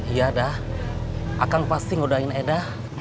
iya dah akan pasti nge doain eda